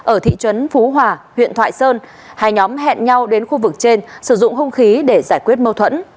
ở thị trấn phú hòa huyện thoại sơn hai nhóm hẹn nhau đến khu vực trên sử dụng hung khí để giải quyết mâu thuẫn